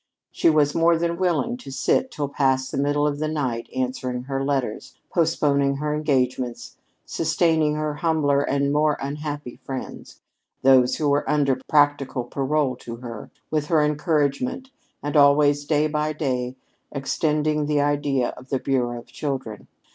She was more than willing to sit till past the middle of the night answering her letters, postponing her engagements, sustaining her humbler and more unhappy friends those who were under practical parole to her with her encouragement, and always, day by day, extending the idea of the Bureau of Children.